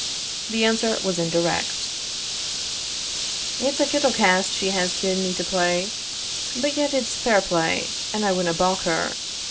The answer was indirect. "It's a kittle cast she has gien me to play; but yet it's fair play, and I winna baulk her.